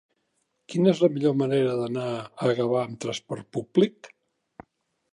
Quina és la millor manera d'anar a Gavà amb trasport públic?